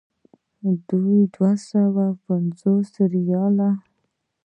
دوه سوه پنځوس ریاله.